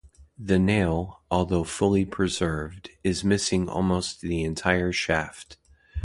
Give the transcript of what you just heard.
The nail, although fully preserved, is missing almost the entire shaft.